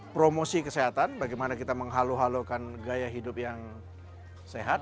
promosi kesehatan bagaimana kita menghalu halukan gaya hidup yang sehat